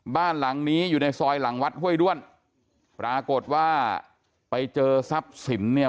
บ้านหลังนี้อยู่ในซอยหลังวัดห้วยด้วนปรากฏว่าไปเจอทรัพย์สินเนี่ย